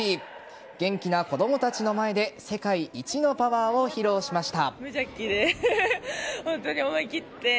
元気な子供たちの前で世界一のパワーを披露しました。